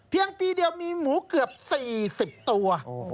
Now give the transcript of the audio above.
ปีเดียวมีหมูเกือบ๔๐ตัว